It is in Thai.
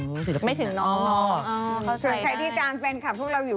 ไม่ถึงน้องอ๋อเข้าใจได้ส่วนใครที่ตามแฟนคลับพวกเราอยู่